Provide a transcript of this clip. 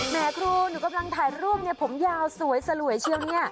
แม่ครูหนูกำลังถ่ายรูปเนี่ยผมยาวสวยสลวยเชียวเนี่ย